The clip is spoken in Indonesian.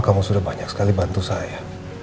kamu sudah banyak sekali bantu saya